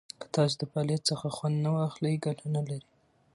که تاسو د فعالیت څخه خوند نه واخلئ، ګټه نه لري.